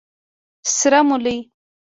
🫜 سره مولي